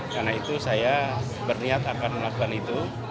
karena itu saya berniat akan melakukan itu